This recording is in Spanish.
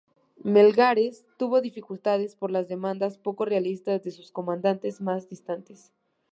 Melgares tuvo dificultades por las demandas poco realistas de sus comandantes más distantes.